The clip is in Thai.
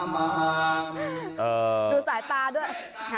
ดูสายตาด้วย